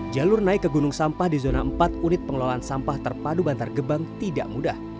jalur naik ke gunung sampah di zona empat unit pengelolaan sampah terpadu bantar gebang tidak mudah